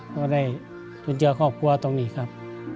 ก็ได้จนเจอครอบครัวตรงนี้ครับ